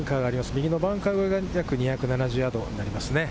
右のバンカーまで２７０ヤードになります。